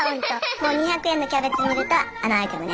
もう２００円のキャベツ見るとあのアイテムね。